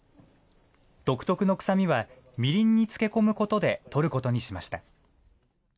独特のくさみはみりんにつけ込むことでとることにしました。